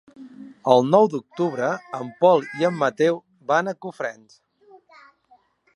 El nou d'octubre en Pol i en Mateu van a Cofrents.